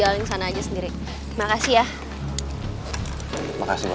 kalian berdua tadi jalannya